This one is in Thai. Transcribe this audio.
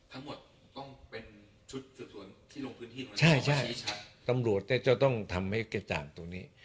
ทั้งหมดต้องเป็นชุดส่วนที่ลงพื้นที่ใช่ใช่ต้องทำให้กระจ่างตรงนี้